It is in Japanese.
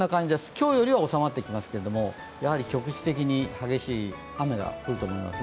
今日よりは収まってきますけど、局地的に激しい雨が降ると思います。